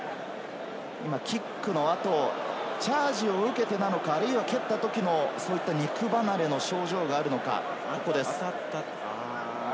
キックの後、チャージを受けてなのか、あるいは蹴ったときの肉離れの症状があるのか。